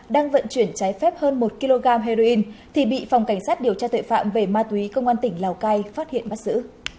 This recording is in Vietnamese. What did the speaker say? đang vận chuyển trái phép hơn một kg heroin thì bị phòng cảnh sát điều tra tội phạm về ma túy công an tỉnh lào cai phát hiện bắt giữ